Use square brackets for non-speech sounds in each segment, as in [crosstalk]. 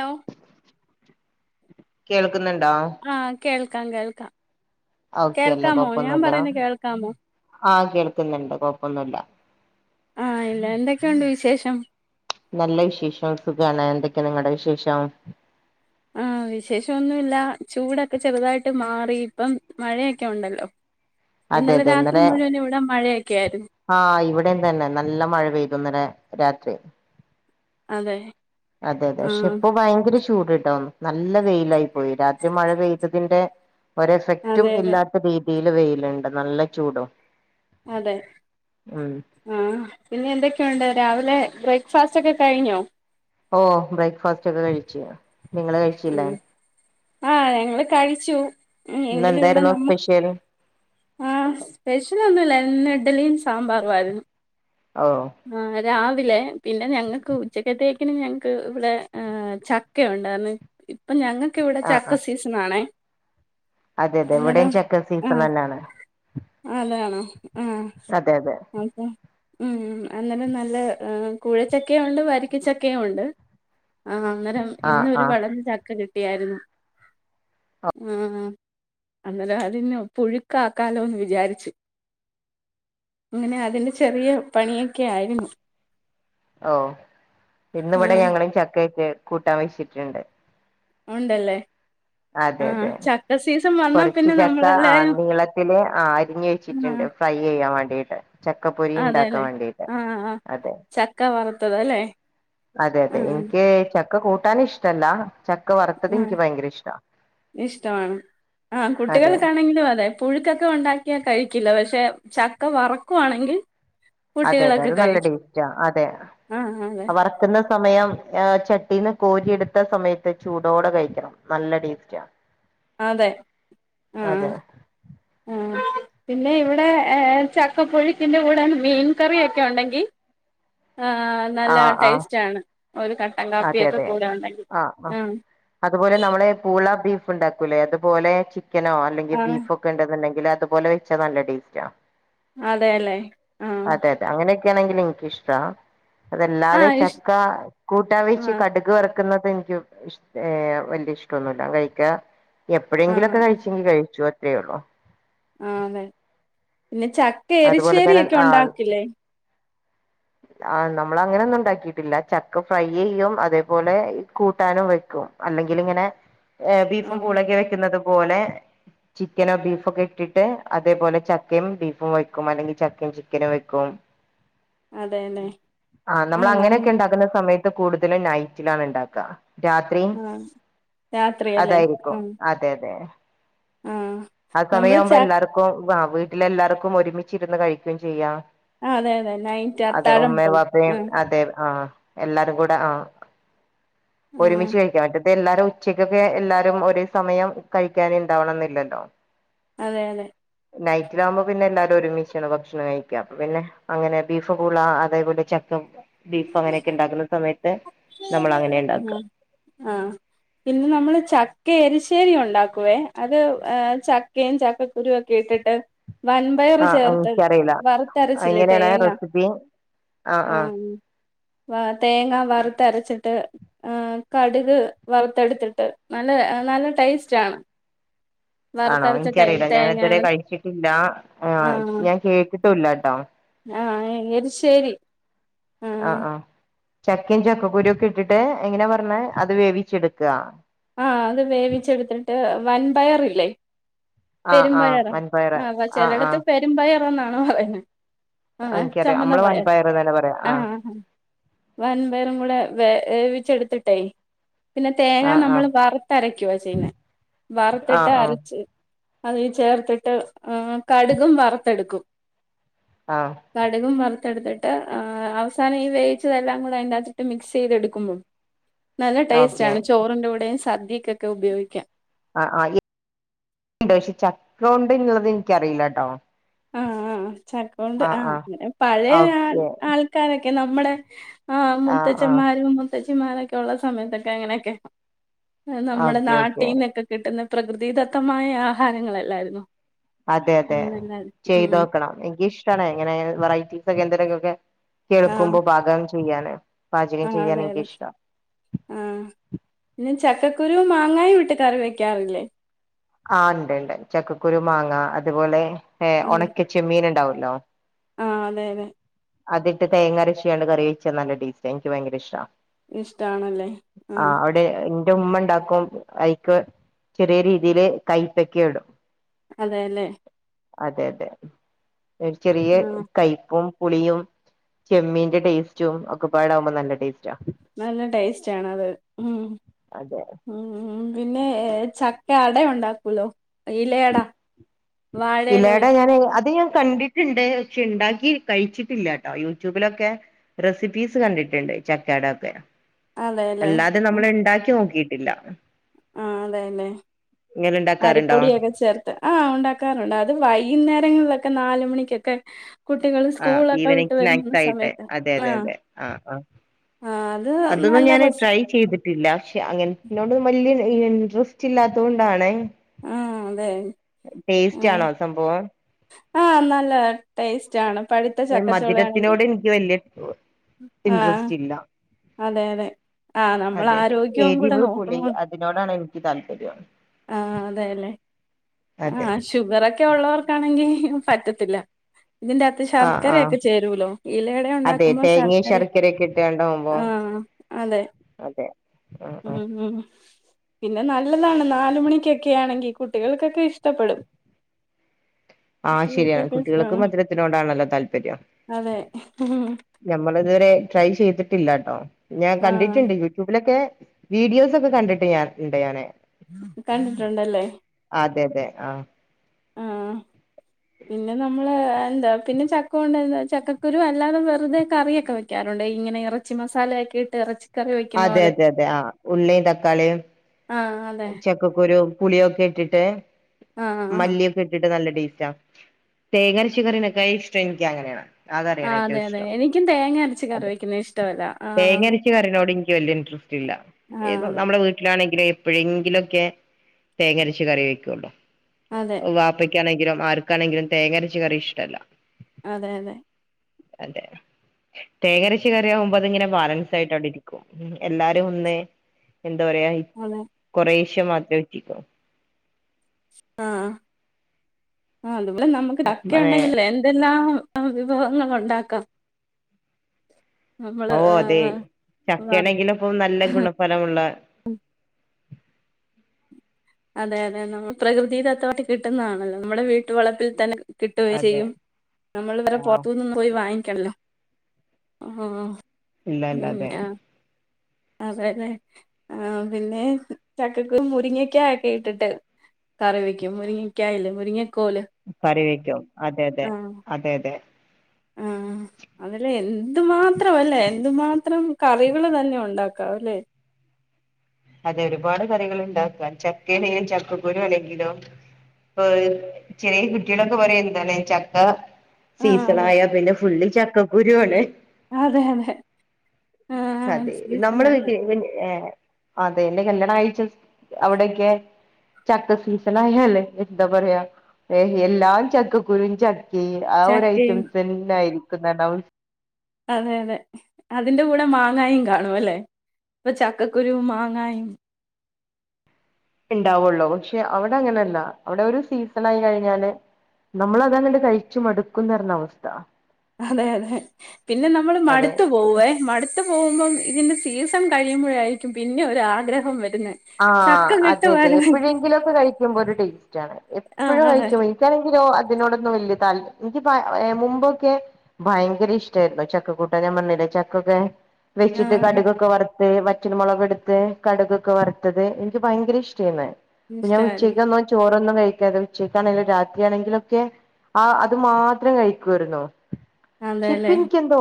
Law കേൾക്കുന്നുണ്ടോ ആ കേൾ ക്കാം കേൾക്കാം ഓക്കെയല്ലേ കേൾക്കാമോ ഞാൻ പറയുന്നേ കേൾക്കാമോ കേൾക്ക്ന്നുണ്ട് കൊഴപ്പൊന്നുല്ല ആ ഇല്ല എന്തൊക്കെയുണ്ട് വിശേഷം നല്ല വിശേഷം സുഖാണ് എന്തൊക്കെ നിങ്ങൾടെ വിശേഷം ആ വിശേഷൊന്നുല്ല ചൂടൊക്കെ ചെറുതായിട്ട് മാറി ഇപ്പം മഴയെക്കെ ഉണ്ടല്ലോ അതെ തെ രാത്രി ഇന്നലെ മുഴുവൻ ഇവിടെ മഴയൊക്കെ ആയിരുന്നു ആ ഇവിടെംതന്നെ നല്ല മഴ പെയ്തു ഇ ന്നലെ രാത്രി അതെ അതെ അതെ പക്ഷെ ആഹ് ഇപ്പൊ ഭയങ്കര ചൂട് ട്ടോ നല്ല വെയിലായി പോയി രാത്രി മഴ പെയ്തതിന്റെ- ഒരെഫക്റ്റും അതെ അതെ ഇല്ലാത്ത [unintelligible] വെയില് വെയിൽ ണ്ട് നല്ല ചൂടോ അതെ ആഹ പിന്നെ എന്തൊക്കെയുണ്ട് രാവിലെ ബ്രേക്ക് ഫാസ്റ്റ് ഒക്കെ കഴിഞ്ഞോ ഓ ബ്രേക്ഫാസ്റ്റ് ഒക്കെ കഴിച്ചു നിങ്ങള് കഴിച്ചില്ലേ? ആഹ ഞങ്ങള് കഴിച്ചു ഇന്ന് എന്തായിരുന്നു സ്പെഷ്യൽ ആഹ സ്പെഷ്യൽ ഒന്നുംല്ല ഇന്ന് ഇഡലിയും സാമ്പാറും ആയിരുന്നു ഓ ആ രാവിലെ പിന്നെ ഞങ്ങൾക്ക് ഉച്ചക്കത്തേക്കിനും ഞങ്ങൾക്ക് ഇവിടെ ചക്കയുണ്ടായിരുന്നു ഇപ്പം ഞങ്ങൾ- ഇപ്പോ ഇവിടെ ആഹ് ചക്ക ആഹ് സീസൺ ആണേ അതെ അതെ ഇവിടെയും ചെക്ക സീസൺ തന്നാണ് ആ അതാണോ ആ അതെ അതെ ആഹാ ഉം അന്നേരം നല്ല കൂഴച്ചക്കയും ഉണ്ട് വരിക്കച്ചക്കയും ഉണ്ട് ആ അങ്ങനെ ആഹ് ഇന്നൊരു ആഹ് വെളഞ്ഞ ചക്ക കിട്ടി യ്ക്കാരുന്നു ആ അന്നേരം അ അതിനെ പുഴുക്ക ആക്കാലോന്ന് വിചാരിച്ചു അങ്ങനെ അതിന്റെ ചെറിയ പണിയൊക്കെ ആയിരുന്നു ഓ ഇന്നിവിടെ ആഹ് ഞങ്ങളും ചക്കയൊക്കായായിരുന്നു കൂട്ടാൻ വെിച്ചിട്ടുണ്ട് ഉണ്ടല്ലേ അതെ ആഹ് അതെ ചക്ക സീസൺ വന്നാ കൊറച്ച് പിന്നെ ചക്ക ആ നമ്മളെല്ലാരും നീളത്തില് ആരിഞ്ഞു വെച്ചിട്ടുണ്ട് ഫ്രൈ ചെയ്യാൻ വേണ് ണ്ടീട്ട് അതെല്ലെ ആ ആ അതെ ചക്ക വറത്ത് ത്തതല്ലേ അതെ അതെ എനിക്ക് ചക്ക് ക്ക കൂട്ടാൻ ഇഷ്ടല്ല ചക്ക വറുത്തത് ആ എനിക്ക് ഭയങ്കര ഇഷ്ടാ ഇഷ്ടമാണ് ആ അതെ കുട്ടികൾക്കാണെങ്കിലും അതെ പുഴുക്കൊക്കെ ഉണ്ടാക്കിയാൽ കഴിക്കില്ല പക്ഷെ ചക്ക വറക്കുവാണെങ്കിൽ അതെ അതെ കുട്ടികളൊക്കെ അത് നല്ല കഴിക്കും ടേസ്റ്റാ അതെ ആഹ് അതെ വറ്ക്കുന്ന സമയം ആ ചട്ടീന്ന് കോരിയെടുത്ത സമയത്ത് ചൂടോടെ കഴിക്കണം നല്ല ടേസ്റ്റാ അതെ മ് അതെ മ് പിന്നെ ഇവിടെ ഏഹ് ചക്കപ്പുഴുക്കിന്റെ കൂടെ മീൻ കറിയൊക്കെ ഒണ്ടെങ്കി ആഹ് നല്ല ആഹ് ആഹ് ടേസ്റ്റ് ആണ് ഒരു കട്ടൻ അതെ കാപ്പിയൊക്കെ അതെ കൂടെ ഉണ്ടെങ്കിൽ ആഹ് ആഹ് അതുപോലെ നമ്മളെ പൂള ബീഫ് ഇണ്ടാക്കൂല്ലേ അതുപോലെ ചിക്കനോ അല്ലെങ്കി ആഹ് ബീഫൊക്കെ ഇണ്ടെന്നുണ്ടെങ്കിൽ എങ്കിൽ അതുപോലെ വെച്ചാ നല്ല ടേസ്റ്റാ അതേയല്ലേ ആഹ് അതെ [unintelligible] എനിക്കിഷ്ടാ അതല്ലാതെ ആഹ് ഇഷ് ചക്ക കൂട്ടാൻ വച്ചു ആഹ് കടുക് വറ ക്കുന്നത് എനിക്ക് ഇഷ് - ഏഹ് വലിയ ഇഷ്ടൊന്നുല്ല കഴിക്കാ ആഹ് എപ്പഴെങ്കിലൊക്കെ അതെ കഴിച്ചെങ്കി കഴിച്ചു ചെയ്യൊള്ളൂ ആഹ് അതെ പിന്നെ അതുപോലെ ചക്കയെരിശ്ശേരി തന്നെ ആഹ് ഒക്കെയൊണ്ടാക്കില്ലേ ആഹ് നമ്മള് അങ്ങനെയൊന്നും ഉണ്ടാക്കിട്ടില്ല ചക്ക ഫ്രൈ ചെയ്യും അതേപോലെ കൂട്ടാനും വെക്കും അല്ലെങ്കിൽ ഇങ്ങനെ. ഏഹ് ബീഫും ആഹ് പൂളക്കെ വെക്കുന്നതും. പോലെ ചിക്കനോ ബീഫ് ഒക്കെ ഇട്ടിട്ട് അതേപോലെ ചക്കയും ബീഫും വെ ക്കും അല്ലെങ്കിൽ ചക്കയും ചിക്കനും വെക്കും. അതെല്ലേ ആഹ് നമ്മള് അങ്ങനെയൊക്കെ ഇണ്ടാക്കുന്ന സമയം. ഇത് കൂടുതല് നൈറ്റിലാണ് ഇണ്ടാക്കാ. രാത്രിയും ആഹ് രാത്രിയല്ലേ അതായിരിക്കും ആഹ് അതെ അതെ. ആഹ് ആ നമ്മള് ച സമയാവുമ്പോ എല്ലാർക്കും ഉവ്വ ആ വീട്ടിലെല്ലാവർക്കും ഒരുമി ച്ചിരുന്ന് കഴിക്കുകയും ചെയ്യാം അതെ അതെ നൈറ്റ് അതെ അത്താഴം ഉമ്മയും പോലെ വാപ്പയും ആഹ് അതെ ആ എല്ലാരും കൂടെ ആ ആഹ് ഒരുമിച്ച് കഴിക്കാം മറ്റേ എല്ലാരും ഉച്ചക്കൊക്കെ എല്ലാരും ഒരേ സമയം കൈക്കാൻ ഇണ്ടാവണമെന്നില്ലലോ അതെ അതെ നൈറ്റിലാവുമ്പോ പിന്നെ എല്ലാരും ഒരുമി ച്ചാണ് ഭക്ഷണം കഴിക്ക പിന്നെ അങ്ങനെ ബീഫ് കൂടുള്ള അതേപോലെ ചക്ക ബീഫ് അങ്ങനെയൊക്കെ ഇണ്ടാക്കുന്ന സമയത്ത് നമ്മൾ അങ്ങനെ ആ ഉണ്ടാക്കുക ആ പിന്നെ നമ്മള് ചക്കരി ചക്കരി ഉണ്ടാക്കുവേ അത് ചക്കയും ചക്കക്കുരുയും ഒക്കെ ഇട്ടിട്ട് വൻപയർ ആഹ് ചേർത്ത് എനിക്കറിയില്ല വറുത്തരച്ചില്ലേ എങ്ങനെയാണ് തേങ്ങ റെസിപ്പി ആഹ് ആഹ് ആ തേങ്ങ വറു വരുത്തറച്ചിട്ട് കടുക് വറുത്തെടുത്തിട്ട് നല്ല നല്ല ടേസ്റ്റ് ആണ് ആണോ വറുത്തരച്ച തേ എനിക്കറിയില്ല ഞാന് ഇതുവരെ തേങ്ങയാണ് കഴിച്ചിട്ടില്ല ആ ഞാൻ കേട്ടി കേട്ടിട്ടും ഇല്ലാട്ടോ ആ എരിശ്ശേരി ശെരി ആ ആഹ് ആ ആഹ് ചക്കയും ചക്കക്കുരിക്കെ ഇട്ടിട്ട് എങ്ങനെ പറഞ്ഞെ അത് വേവിച്ചെടുക്ക വന്പയ ർ ഇല്ലേ ആഹ് ആഹ് പെരുംമ്പയറ് വൻപയറ് ആ ആഹ് ചെലടത്ത് ആഹ് പെരുംമ്പയർ ന്നാണോ പറയുന്നത് ആ എനിക്കറിയാം ചെമ്മന്ന നമ്മള് പയറ് വൻപയർ തന്നെ പറയാ ആ വൻബയറും കൂടെ വേവി വേവിച്ചെടുത്തിട്ടെ പിന്നെ തേങ്ങ ആ നമ്മൾ വറുത്തരക്കുവാ ചെയ്യുന്നേ ആ വറുത്തിട്ട് ആ അരച്ച് അത് ചേർത്തിട്ട് ആ കടുകും വറുത്തെടുക്കും ആ ആ കടുകും വറുത്ത് എടുത്തിട്ട് അവസാനം ഈ വേവിച്ചതെല്ലാം കൂടെ അതിന്റെകത്തിട്ട് മിക്സ് ചെയ്തെടുക്കുന്നു നല്ല ഓക്കെ ടേസ്റ്റ്ണ് ചോറിന്റെ കൂടെ സദ്യക്കൊക്കെ ഉപയോഗിക്കാം ആ ആ [unintelligible] ചക്ക കൊണ്ട് ഉള്ളത് എനിക്കറിയില്ലട്ടോ ആ ആ ചക്ക കൊണ്ട് ആ അങ്ങനെ പഴയ ഓക്കെ ആൾക്കാര് [inaudible] നമ്മടെ ആ മുത്തച്ഛമാരും ത്തച്ചിമാരൊക്കെ ഉള്ള സമയത്തൊക്കെ അങ്ങനെയൊക്കെ നമ്മുടെ ഓക്കെ ഓക്കെ നാട്ടിന്നൊക്കെ കിട്ടുന്ന പ്രകൃതിദത്തമായ ആഹാരങ്ങളല്ലായിരുന്നോ അതെ അതെ ഉം നല്ലത്. ഉം ചെയ്തൊക്കണം എനിക്ക് ഇഷ്ടാണ് ങ്ങനെ വെറൈറ്റീ [unintelligible] കേൾക്കുമ്പോ ഭാഗം ചെയ്യാന് പാചകം ആ ചെയ്യാൻ അതെ അതെ എനിക്കിഷ്ടാ ആ പിന്നെ ചക്ക കുരും മാങ്ങായും ഇട്ട് കറി വെക്കാറില്ലേ ആ ഇണ്ട്ണ്ട് ചക്കക്കുരു മാങ്ങ അതുപോലെ ഏ ഒണക്കച്ചമീ ന് ണ്ടാവോ ഹലോ ആ അതെ അതെ അതിട്ട് തേങ്ങരച്ചാണ്ട് കറി വെച്ചാ നല്ല ടേസ്റ്റാ എനിക്ക് ഭയങ്കര ഇഷ്ടാ ഇഷ്ടണല്ലേ ആഹ് ന്റുമ്മണ്ടാക്കും അയ്ക്ക് ചെറിയ രീതി തില് കൈപക്ക ഇടും അതേല്ലേ അതെ അതെ ഒരു ചെറിയ ആഹ് കയ്പ്പും പുളിയും ചെമ്മീന്റെ ടേസ്റ്റും ഒക്കെപാടാകുമ്പം നല്ല ടേസ്റ്റ് നല്ല ടേസ്റ്റാണത് ഉം അതെ ഊം പിന്നെ ഏ ച അട ഉണ്ടാക്കൂലോ ഇലേട ഇലേട ഞാന്‌ അത് ഞാൻ കണ്ടി ട്ട്ണ്ട് പക്ഷെ ഇണ്ടാക്കി കഴിച്ചിട്ടില്ല കെട്ടോ യൂട്യൂബിലൊക്കെ റെസിപ്പീസ് കണ്ടിട്ട്ണ്ട് ചക്കേടൊക്കെ അതെല്ലേ അല്ലാതെ നമ്മള് ണ്ടാക്കി നോക്കിട്ട് ഇല്ല ആ അതേലെ ഉണ്ടാക്കാറുണ്ടോ അരിപ്പൊടിയൊക്കെ ചേർത്ത് ആ ഒണ്ടാക്കാറുണ്ട് അത് വൈകുന്നേരങ്ങളിലൊക്കെ നാല് മണിക്കൊക്കെ കുട്ടികള് ആ സ്കൂളൊക്കെ വിട്ട് ഈവനിങ് വരുന്ന സ്നാക്സ് ആയിട്ടെ സമയത്ത് അതെ അതെ ആഹ് അതെ ആ ആ ആഹ് അത് അതൊന്നും നല്ല ഞാന്‌ റെസി ട്രൈ ചെയ്തിട്ടില്ല പക്ഷെ അങ്ങനത്തിനോടും വല്യ ഇൻട്രസ്റ്റ് ഇല്ലാത്തത് കൊണ്ടാണേ ആഹ് അതെ ടേസ്റ്റ് ആഹ് ആണോ സംഭവം ആഹ് നല്ല ടേസ്റ്റ് ആണ് പഴുത്ത ഈ ചക്കച്ചൊളാണെങ്കി മധുരത്തിനോട് എനിക്ക് വലിയ ആ ഇൻട്രസ്റ്റ് ഇല്ല അതെ അതെ ആ നമ്മളെ അതെ അതെ ആരോഗ്യവും കൂടെ എരിവ് പുളി നോക്കണോ അതിനോടാണ് എനിക്ക് താല്പര്യം ആ അതേലെ ആ അതെ ഷുഗറൊക്കെ ഒള്ളവർക്ക് പറ്റത്തില്ല ഇതിറ്റാത്ത് ആഹ് ആഹ് ശർക്കരയൊക്കെ ചേരൂലോ ഇലയുടെ അതെ ഉണ്ടാക്കുമ്പോ തേങ്ങയും ശർക്കര ശർക്കരയൊക്കെ ഇട്ടാണ്ടാവുമ്പോ ആ അതെ അതെ ആഹ് ആഹ് ഊം പിന്നെ ന നല്ലതാണ് നാലുമണിക്കൊക്കെയാണെങ്കി കുട്ടികൾക്കൊക്കെ ഇഷ്ട്ടപ്പെടും ആ ശരിയാണ് കുട്ടികൾക്ക് മധുരത്തിനോടാണല്ലോ താല്പര്യം അതെ നമ്മളിതുവരെ ട്രൈ ചെയ്തിട്ടില്ലാട്ടോ ഞാൻ ആഹ് കണ്ടിട്ടുണ്ട് യൂട്യൂബിലൊക്കെ വീഡിയോസ് ഒക്കെ കണ്ടിട്ട് ഞാൻ ഇണ്ട് ഞാന്‌ കണ്ടിട്ടുണ്ടല്ലേ അതെ അതെ ആ ആ പിന്നെ നമ്മളേ എന്താ പിന്നെ ചക്ക കൊണ്ട് എന്താ ചക്കക്കുരു അല്ലാതെ വെറുതെ കറിയൊക്കെ വെക്കാറുണ്ട് ഇങ്ങനെ ഇറച്ചി മസാലയൊക്കെ ഇട്ട് ഇറച്ചി അതെ അതെ അതെ ആ ഉള്ളി തക്കാളി ആഹ് അതെ ചക്കക്കുരു പുളിയൊക്കെ ഇട്ടിട്ട് ആഹ് ആഹ് മല്ലിയൊക്കെ ഇട്ടിട്ട് നല്ല ടെസ്റ്റ തേങ്ങരച്ച കറിനേക്കാ ഇഷ്ടം എനിക്ക് അങ്ങനെയാണ് ആ അതറിയണം അതെ ഏറ്റവും അതെ ഇഷ്ടം എനിക്കും തേങ്ങ അരച്ച് കറിവെക്കുന്നത് ഇഷ്ടവല്ല തേങ്ങഅരച്ച കറിനോട് എനിക്ക് വലിയ ഇൻട്രസ്റ്റ് ഇല്ല ആഹ് നമ്മളെ വീട്ടില് ആണെങ്കിൽ എപ്പോഴെങ്കിലും ഒക്കെ തേങ്ങരച്ച് കറി വെക്യുല്ലോ അതെ വാപ്പക്ക്യാണങ്കിലും ആർക്കാനെങ്കിലും തേങ്ങരച്ച് കറി ഇഷ്ടല്ല അതെ അതെ അതെ തേങ്ങരച്ച കറിയാവു അതിങ്ങനെ ബാലൻസ് ആയിട്ട് അവിടെ ഇരിക്കും എല്ലാരും ഒന്ന് എന്ത്‌ പറയാ അതെ കൊറെ ക്ഷേ മാത്ര വച്ചിക്കു ആഹ് അത് മ നമുക്ക് ചക്ക മഴേ ഉണ്ടെങ്കില് എന്തെല്ലാം ആ വിഭവങ്ങൾ ഉണ്ടാക്കാം നമ്മള് ഓ അതെ ആഹ് ചക്കണെങ്കില്പ്പം നല്ല ഗുണഫലമുള്ള അതെ അതെ നമ്മൾ പ്രകൃതിദത്തമായിട്ട് കിട്ടുന്നണല്ലോ നമ്മുടെ വീട്ടുവളപ്പിൽ തന്നെ കിട്ടുകയും അതെ ചെയ്യും നമ്മൾ വേറെ ആഹ് പുറത്ത് നിന്ന് പോയി വാങ്ങിക്കണ്ടല്ലോ ആഹ് ഇല്ല ഇല്ല അതെ അതെ അതെ ആ പിന്നെ ചക്കക്കുരു മുരിങ്ങക്കായ ഒക്കെ ഇട്ടിട്ട് കറി വെക്കും മുരിങ്ങക്കായല്ലെ മുരിങ്ങ മ് പറയ് [unintelligible] അതെ ആഹ് അത് ആഹ് അതില് എന്തുമാത്രം അല്ലെ എന്തുമാത്രം കറികള് തന്നെ ഉണ്ടാക്കാവല്ലെ അതെ ഒരുപാട് കറികൾ ഉണ്ടാക്കാ ചക്കല്ലങ്കിൽ ചക്കക്കുരു അല്ലെങ്കിലോ ഇപ്പൊ ചെറിയ കുട്ടികളൊക്കെ പറയല്ല്യെ എന്താണ് ചക്ക ആഹ് അതെ സീസണയാ പിന്നെ ഫുള്ളി ചക്കക്കുരു അല്ലെ അതെ അതെ അതെ നമ്മള് ആഹ് [unintelligible] ഏഹ് അതെ എന്റെ കല്യാണം കഴിച്ച അവിടെക്കെ ചക്ക സീസൺ ആയാല്ലെ എന്താ പറയാ ഏ എല്ലാം ചക്കക്കുരും ച ആ ഒരു ചക്കയും ഐറ്റംസ് തന്നായിരിക്കും ക്ക് ന്താ [unintelligible] അതെ അതെ അതിന്റെ കൂടെ മാങ്ങായും കാണുംല്ലേ ഇപ്പൊ ചക്കക്കുരുവും മാങ്ങായും ണ്ടാവുള്ളൂ പക്ഷെ അവിടെ അങ്ങനല്ല അവിടെരു സീസൺ ആയി കഴിഞ്ഞാല് നമ്മള അതങ്ങട്ട് കഴിച്ചു മടുക്കുന്നറഞ്ഞ അവസ്ഥ അതെ അതെ പിന്നെ നമ്മള് അതെ മടുത്തു പോവേ മടുത്ത് മ്പോ ഇതിന്റെ സീസൺ കഴിയുമ്പോഴായിരിക്കും പിന്നെ ഒരു ആഗ്രഹം വ ആ അതെ അതെ എപ്പോഴെങ്കിലും ഒക്കെ കഴിക്കുമ്പോ ഒരു ടേസ്റ്റ് ആണ് ആഹ് എപ്പോഴും അതെ കഴിക്കുമ്പോ എനിക്കാണെങ്കിലോ അതിനോടൊന്നും വലിയ താല്പര്യം ഇല്ല എനിക്ക് മുമ്പൊക്കെ ഭയങ്കര ഇഷ്ടായിരുന്നു ചക്കക്കൂട്ട ഞാൻ പറഞ്ഞില്ലെ ചക്കൊക്കെ വെച്ചിട്ട് ആഹ് അതെ കടുകൊക്കെ വരുത്തി ത് വറ്റൽ മുളക് എടുത്ത് കട്കൊക്ക വറ ത് ത് എനിക്ക് ഭയങ്കര ഇഷ്ടമാരന്ന്നു ഞാൻ ഉച്ചക്ക് ഇഷ്ടായിരുന്നു വന്ന് ചോ അതൊന്നും കഴിക്കാതെ ഉച്ചക്കാണെങ്കിലും രാത്രി ആണെങ്കിലുക്കെ ആ അത് മാത്രം കഴിക്കുവാരുന്നു ഇപ്പോ അതെല്ലേ എനിക് എന്തോ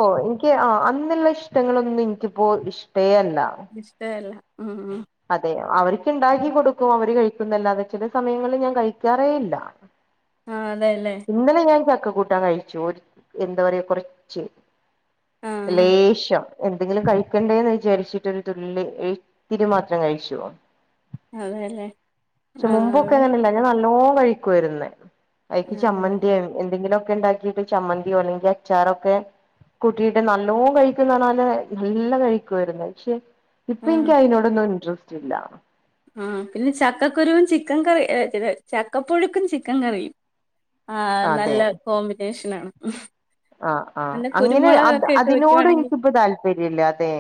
ആ അന്നുള്ള ഇഷ്ടങ്ങളൊന്നും എനിക് ഇപ്പോ ഇഷ്ട്ടേ അല്ല ഇഷ്ടേ അല്ല അതെ അവര്ക്ക് ഉണ്ടാക്കി കൊടുക്കും അവര് കഴിയ് ന്നല്ലാതെ ചില സമയങ്ങളിൽ ഞാൻ കഴിക്കാറേ ഇല്ല ആ ഇന്നലെ ഞാൻചക്ക തിന്നു കൂട്ടാം കഴിച്ചു ഒര് എന്താ പറയാ കുറച്ച് ആഹ് ലേശം എന്തെങ്കിലും കഴിക്കണ്ടേന്ന് വിചാരിച്ചിട്ടൊരു തുള്ളി ഇത്തിരി മാത്രം കഴിച്ചു അതെലെ ക്ഷെ മുമ്പൊക്കെ അങ്ങനെല്ല ഞാന നോ കഴിക്കാരുന്നേ അയ്ക്ക് ആഹ് ചമ്മന്തി എന്തെങ്കിലുംഒക് ക്കണ്ടാക്കിട്ട് ചമ്മന്തി [unintelligible] അല്ലെങ്കി അച്ചാറൊക്കെ കുട്ടീട്ട് നല്ലോം കഴിക്കുന്നറഞ്ഞാല് നല്ല കഴിക്കുവാര്ന്ന് ക്ഷെ ഇപ്പൊ ഇനിക്ക് അയ്നോടൊന്നും ഇൻട്രസ് ചില്ലാ ആ പിന്നെ ചക്കക്കുരുവും ചിക്കൻ കറി എ ച്ചരി ചക്കപ്പുഴുക്കും ചിക്കൻ കറിയും ആ നല്ല കോമ്പിനേഷ് ന്നാണ് ആ ആ അങ്ങനെ അ അതിനോട് വെക്കുവാണെങ്കിൽ എനിക്കിപ്പ താല്പര്യല്ലാതെ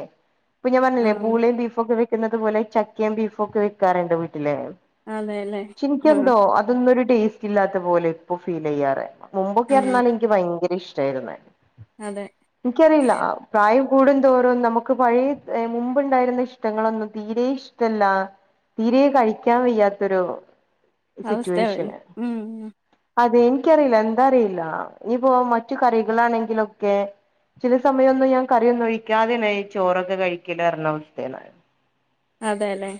ഇപ്പൊ ഞാൻ പറഞ്ഞിലെ ആഹ് പൂളയും ബീഫും ഒക്കെ വെ ക്കുന്നത് പോലെ ചക്കേം ബീഫും ഒക്കെ വൊക്കാറിണ്ട് വീ ല്ലേ അതെല്ലേ ആഹ് ചിൻക്കെന്തോ അതൊന്നൊരു ടേസ്റ്റ്ല്ലാത്ത പോലെ ഇപ്പോ ഫീലിയ്യാറ് ആഹ് മുമ്പൊക്കെയാർന്നാല് എനിക്ക് ഭയങ്കര ഇഷ് ചേരുന്നെ അതെ എനിക്കറിയില്ല പ്രായം കൂടുന്തോറും നമുക്ക് പഴയ മുമ്പുണ്ടായിരുന്ന ഇഷ്ടങ്ങളൊന്നും തീരെ ഇഷ്ടല്ല തീരെ കഴിക്കാൻ വയ്യാത്തൊരു അവസ്ഥ വരും സിറ്റുവേഷന് ഉം അതെ എനിക്കറിയില്ല എന്താ അറിയില്ല ഇനി പ്പോ മറ്റ് കറികളാണെങ്കിലൊക്കെ ചില സമയൊന്നും ഞാൻ കറിയൊന്നും ഒഴിക്കാതെനെ നെയ് ചോറൊക്കെ കഴിക്കിയില്ലാർന്ന അവസ്ഥയെനു അതെല്ലെ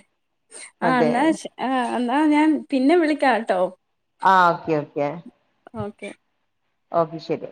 ആ അതെ എന്നാ ശാ ആ എന്നാ ഞാൻ പിന്നെ വിളിക്കാ ട്ടോ ആഹ് ഓക്കെ ഓക്കെ ഓക്കേ ഓക്കെ ശരി